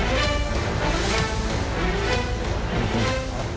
ก็ต้องชมเชยเขาล่ะครับเดี๋ยวลองไปดูห้องอื่นต่อนะครับ